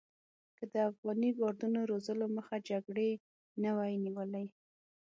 که د افغاني کادرونو روزلو مخه جګړې نه وی نیولې.